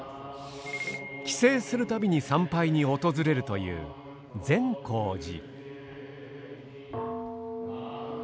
帰省するたびに参拝に訪れるという善光寺。